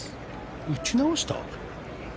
打ち直した？